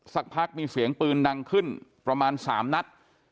สักพักมีเสียงปืนดังขึ้นประมาณ๓นัด